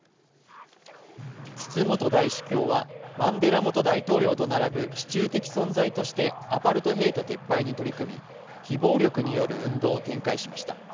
ツツ元大主教はマンデラ元大統領と並ぶ支柱的存在としてアパルトヘイト撤廃に取り組み非暴力による運動を展開しました。